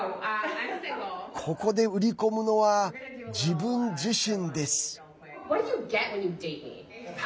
ここで売り込むのは自分自身です。